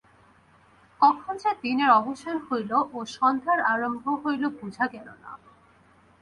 কখন যে দিনের অবসান হইল, ও সন্ধ্যার আরম্ভ হইল বুঝা গেল না।